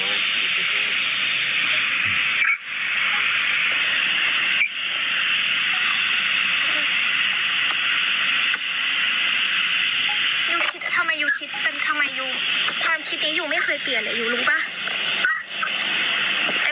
ก็เพราะว่าตอนที่อยู่ท้องมันคือแก่ลูกอยู่ไง